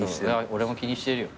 俺も気にしてるよ。